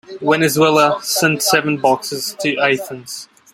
Venezuela sent seven boxers to Athens.